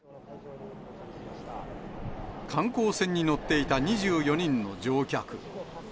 観光船に乗っていた２４人の乗客。